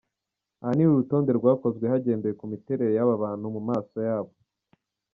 Ahanini uru rutonde rwakozwe hagendewe ku miterere y'aba bantu mu maso yabo.